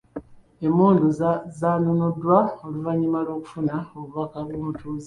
Emmundu zaanunuddwa oluvannyuma lw'okufuna obubaka bw'omutuuze.